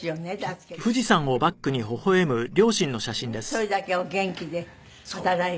それだけお元気で働いて。